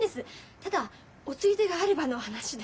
ただおついでがあればの話で。